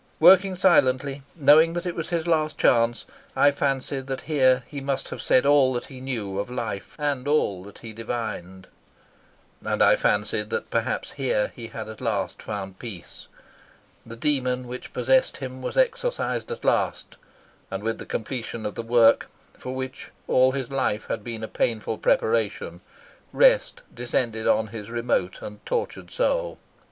Working silently, knowing that it was his last chance, I fancied that here he must have said all that he knew of life and all that he divined. And I fancied that perhaps here he had at last found peace. The demon which possessed him was exorcised at last, and with the completion of the work, for which all his life had been a painful preparation, rest descended on his remote and tortured soul.